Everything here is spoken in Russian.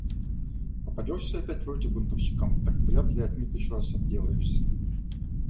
Попадешься опять в руки бунтовщикам, так вряд ли от них еще раз отделаешься.